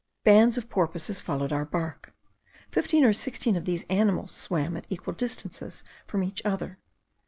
Bands of porpoises followed our bark. Fifteen or sixteen of these animals swam at equal distances from each other.